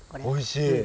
おいしい？